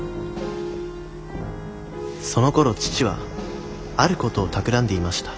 そのころ父はあることをたくらんでいました